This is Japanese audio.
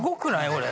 俺。